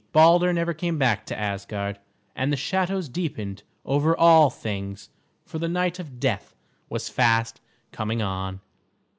Balder never came back to Asgard, and the shadows deepened over all things, for the night of death was fast coming on.